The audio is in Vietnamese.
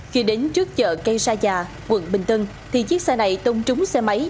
khi đến trước chợ cây sa già quận bình tân thì chiếc xe này tông trúng xe máy